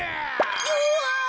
うわ！